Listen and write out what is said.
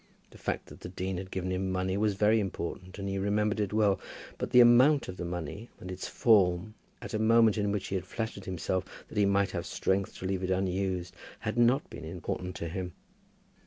The fact that the dean had given him money was very important, and he remembered it well. But the amount of the money, and its form, at a moment in which he had flattered himself that he might have strength to leave it unused, had not been important to him.